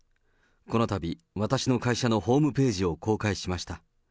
このたび、私の会社のホームページを公開しました。